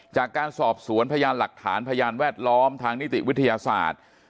จากการสอบสวนพยานหลักฐานพยานแวดล้อมทางนิติวิทยาศาสตร์